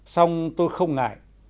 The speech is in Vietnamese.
xong tôi không ngại